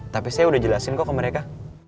tapi saya udah jelasin kok ke mereka